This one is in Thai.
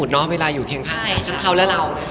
ทั้งเขาและเรา